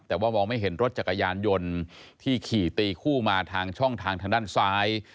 แต่ว่ามองไม่เห็นรถจักรยานยนต์ที่ขี่ตีคู่มาทางช่องทางทางด้านซ้าย